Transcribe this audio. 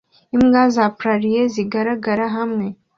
imbwa za prarie zigaragara hamwe